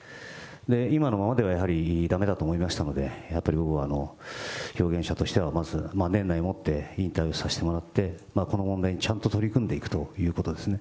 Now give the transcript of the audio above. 今のままではやはりだめだと思いましたので、やっぱり僕は、表現者としては年内をもって引退をさせてもらって、この問題にちゃんと取り組んでいくということですね。